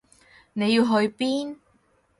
你要去邊？